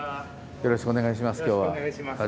よろしくお願いします。